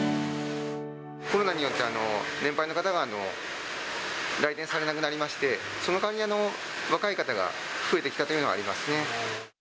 コロナによって年配の方が来店されなくなりまして、その代わりに若い方が増えてきたというのはありますね。